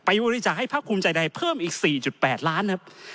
ไปบริจักษ์ให้พักภูมิใจไทยเพิ่มอีก๔๘ล้านครับ